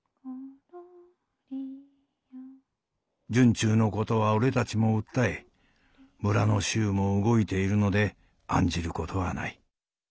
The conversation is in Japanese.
「惇忠のことは俺たちも訴え村の衆も動いているので案じることはない。